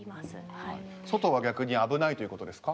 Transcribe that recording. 外は逆に危ないということですか？